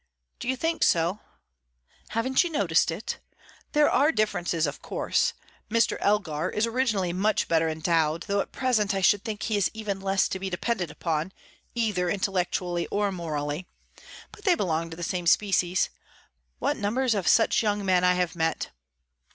"Do you think so?" "Haven't you noticed it? There are differences, of course. Mr. Elgar is originally much better endowed; though at present I should think he is even less to be depended upon, either intellectually or morally. But they belong to the same species. What numbers of such young men I have met!"